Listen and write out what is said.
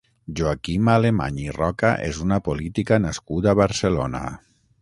Joaquima Alemany i Roca és una política nascuda a Barcelona.